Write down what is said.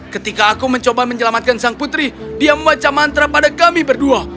ketika aku mencoba menyelamatkan sang putri dia membaca mantra pada kami berdua